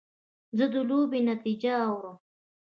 زه د لوبې نتیجه اورم.